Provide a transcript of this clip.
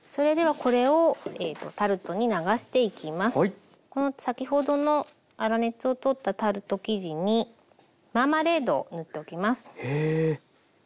この先ほどの粗熱を取ったタルト生地にマーマレードを塗っときます。